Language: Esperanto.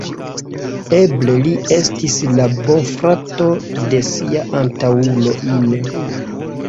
Eble li estis la bofrato de sia antaŭulo Ine.